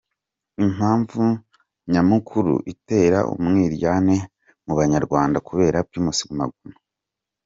Impamvu nyamukuru itera umwiryane mu banyarwanda kubera Primus Guma Guma .